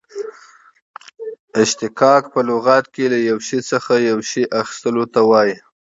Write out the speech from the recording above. اشتقاق په لغت کښي له یوه شي څخه یو شي اخستلو ته وايي.